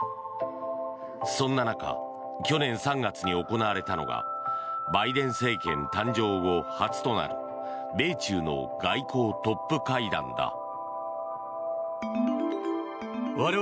そんな中去年３月に行われたのがバイデン政権誕生後初となる米中の外交トップ会談だ。